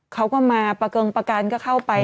เค้าก็มาตะเกิงประกันก็เข้าไป